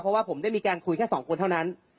เพราะว่าผมได้มีการคุยแค่สองคนเท่านั้น